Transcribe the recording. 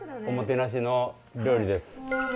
おもてなしの料理です。